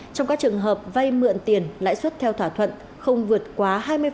trong các trường hợp vay mượn tiền lãi suất theo thỏa thuận không vượt quá hai mươi